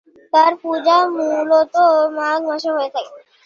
তাঁর পূজা মূলত মাঘ মাসে হয়ে থাকে।